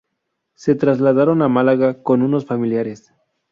Se trasladaron a Málaga con unos familiares.